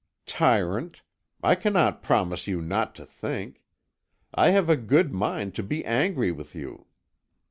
"Tyrant! I cannot promise you not to think. I have a good mind to be angry with you.